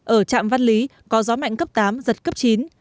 ở trạm văn lý có gió mạnh cấp tám giật cấp chín